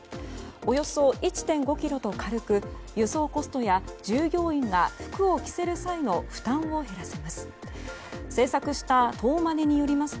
およそ１．５ｋｇと軽く輸送コストや従業員が服を着せる際の負担を減らせます。